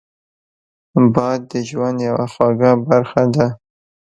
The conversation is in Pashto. باد د ژوند یوه خوږه برخه ده